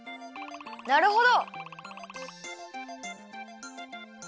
なるほど！